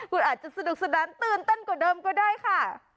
คุณอาจจะสนุกสนานตื่นเต้นกว่าเดิมก็ได้ค่ะ